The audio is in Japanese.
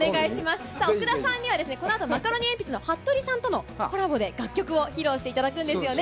奥田さんには、このあとマカロニえんぴつのはっとりさんとのコラボで、楽曲を披露していただくんですよね。